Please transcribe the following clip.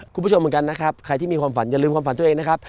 คุณผู้ชมเหมือนกันนะครับใครที่มีความฝันอย่าลืมความฝันตัวเองนะครับ